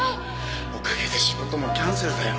おかげで仕事もキャンセルだよ。